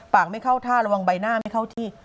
ไม่เข้าท่าระวังใบหน้าไม่เข้าที่